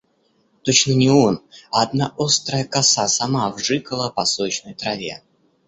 Точно не он, а одна острая коса сама вжикала по сочной траве.